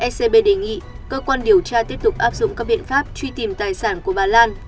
scb đề nghị cơ quan điều tra tiếp tục áp dụng các biện pháp truy tìm tài sản của bà lan